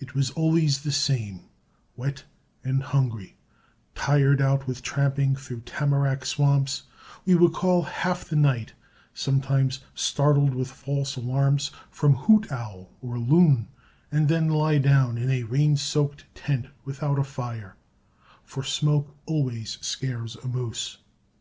It was always the same wet and hungry, tired out with tramping through tamarack swamps, we would call half the night, sometimes startled with false alarms from hoot owl or loon, and then lie down in a rain soaked tent without a fire, for smoke always scares a moose.